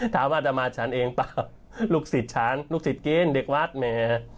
ถามว่าจะมาฉันเองเปล่าลูกศิษย์ฉันลูกศิษย์กินเด็กวัดแหม